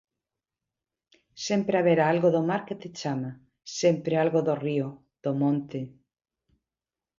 Sempre haberá algo do mar que te chama, sempre algo do río, do monte.